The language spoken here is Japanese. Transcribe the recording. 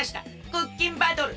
クッキンバトル！